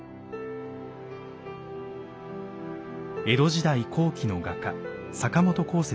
江戸時代後期の画家阪本浩